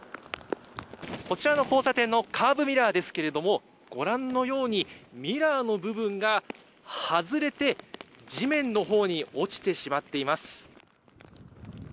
こちらの交差点のカーブミラーですがご覧のようにミラーの部分が外れて地面のほうに落ちてしまっています。